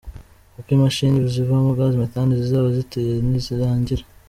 Uko imashini zivoma gaz methane zizaba ziteye nizirangira.